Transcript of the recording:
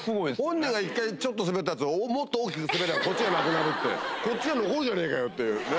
本人が１回スベったやつをもっと大きくスベりゃこっちがなくなるってこっちはこうじゃねえかよって。